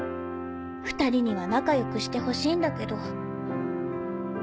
２人には仲良くしてほしいんだけど」。